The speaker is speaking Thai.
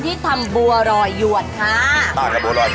อะไรเห็นบอกวิคุณแม่อยากมาแจกสวดด้วย